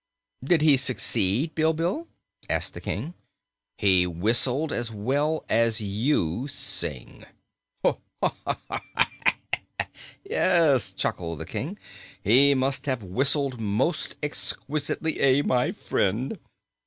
"Did he succeed, Bilbil?" asked the King. "He whistled as well as you sing." "Ha, ha, ha, ha, heek, keek, eek!" chuckled the King. "He must have whistled most exquisitely, eh, my friend?"